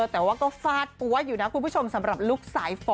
แต่ว่าก็ฟาดปั๊วอยู่นะคุณผู้ชมสำหรับลูกสายฝน